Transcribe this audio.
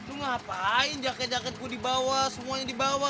lu ngapain jaket jaketku dibawa semuanya dibawa